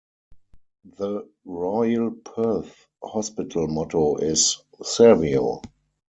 The Royal Perth Hospital motto is "Servio".